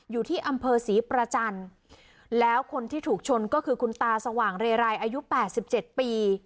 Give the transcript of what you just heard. อยู่ที่อำเภอศรีประจันทร์แล้วคนที่ถูกชนก็คือคุณตาสว่างเรไรอายุ๘๗ปี